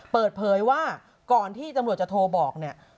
เปิดเผยว่าก่อนที่ตำรวจจะโทรบอกเนี่ย